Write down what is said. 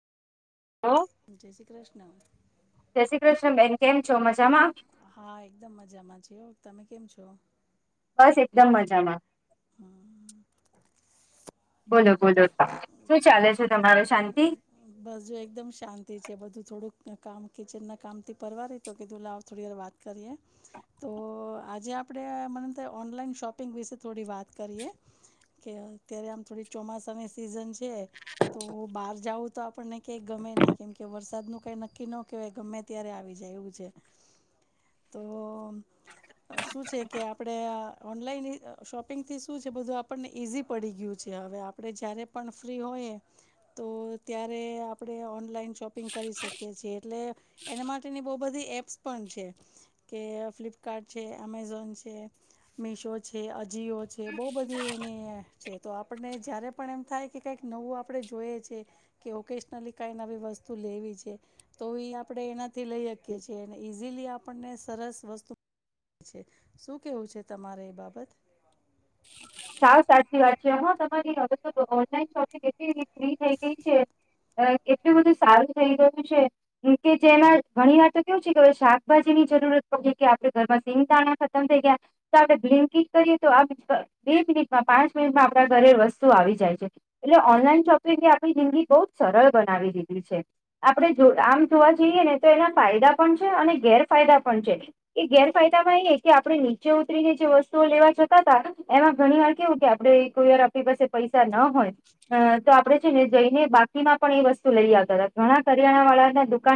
Hello જય શ્રી કૃષ્ણ જય શ્રી કૃષ્ણ બેન કેમ છો? મજામાં? હા એકદમ મજામાં છે તમે કેમ છો.? બસ એકદમ મજામાં હા બોલો બોલો શું ચાલે છે? તમારો શાંતિ? બસ જો એકદમ શાંતિ છે બધું થોડુંક કામ કિચન ના કામ થી પરવા રહી તો કીધું લાવ થોડી વાર વાત કરીએ તો આજે આપણે મને અમે થાય ઓનલાઈન શોપિંગ વિશે થોડી વાત કરીએ-' કે અત્યારે આમ થોડી ચોમાસાની સિઝન છે. તો બહાર જઉું તો આપણને કયાંક ગમે નહીં કેમ કે વરસાદનું કંઈ નક્કી ન કહેવાય ગમે ગમે અત્યારે આવી જાય એવું છે તો શું છે કે આપણે ઓનલાઈન શોપિંગથી શું છે બધું આપણને ઈઝી પડી ગયું છે હવે આપણે જ્યારે પણ ફ્રી હોય તો ત્યારે આપણે ઓનલાઈન શોપિંગ કરી શકીએ છીએ એટલે એના માટેની બહુ બધી એપ્સ પણ છે. કે ફ્લિપકાર્ટ છે, અમેઝોન છે, મીશો છે, અજીિયો છે, બઉ બધી એની છે. તો આપણને જ્યારે પણ એમ થાય કે કાંઈક નવું આપણે જોઈએ છે કે ઓકૅસનલી કાંઈ નવી વસ્તુ લેવી છે, તો એ આપણે એનાથી લઈ શકીએ છીએ અને ઇઝીલી આપણને સરસ વસ્તુ શું કેવું છે તમારે એ બાબત સાવ સાચી વાત છે હમાં તમારી હવે ઓનલાઈન શોપિંગ એટલી ફ્રી થઈ ગઈ છે, અ એટલું બધું સારું થઇ ગયું છે. કે જેમાં ઘણી વાર તો કેવું છે કેવે શાકભાજી ની જરૂરત પડે કે આપડે ઘરમાં સિંગ દાણા ખતમ થઇ ગયા તો આપણે ગ્રીનકીક કરીએ, તો આ બે મિનિટમાં પાંચ મિનિટમાં આપણા ઘરે વસ્તુ આવી જાય છે. એટલે ઓનલાઈન શોપિંગ એ આપણી જિંદગી બહુ જ સરળ બનાવી દીધી છે. આપણે જો આમ જોવા જઈએ, ને તો એના ફાયદા પણ છે, અને ગેરફાયદા પણ છે. એ ગેરફાયદામાં એ કે આપણે નીચે ઉતરીને જે વસ્તુઓ લેવા જતાં હતાં, એમાં ઘણી વાર કેવું કે આપણે કોઈ વાર આપણી પાસે પૈસા ના હોય અ તો આપણે છે ને જઈને બાકીમાં પણ એ વસ્તુ લઈ આવતા હતા ઘણા કરિયાણાવાળા ના દુકાન